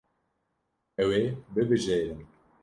Ew ê bibijêrin.